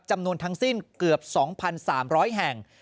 จำนวนทั้งสิ้นเกือบ๒๓๐๐แห่ง